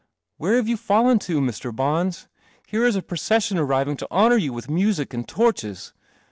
" Where have you fallen to, Mr. Bons? Here is a procession arriving to honour you with music and torches.